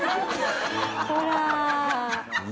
ほら。